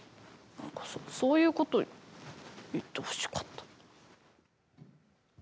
なんかさ、そういうことを言ってほしかった。